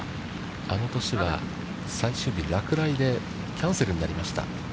あの年は、最終日落雷でキャンセルになりました。